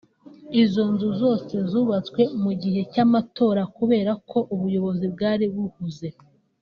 Izo nzu zose zubatswe mu gihe cy’amatora kubera ko ubuyobozi bwari buhuze